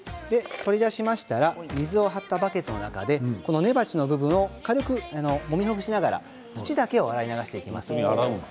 取り出しましたら水を張ったバケツの中で松の部分を軽くもみほぐしながら土だけを洗い流していきます。